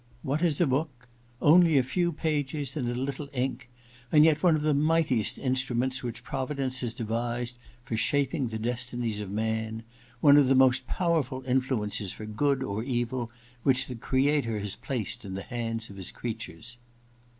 * What is a book ? Only a few pages and a little ink — and yet one of the mightiest instruments which Providence has devised for shaping the destinies of man ••« one of the most powerful influences for good or evil which the Creator has placed in the hands of His creatures.